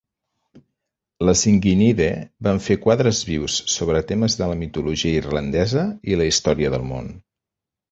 Les Inghinidhe van fer quadres vius sobre temes de la mitologia irlandesa i la història del món.